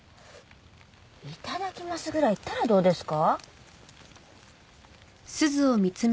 「いただきます」ぐらい言ったらどうですか？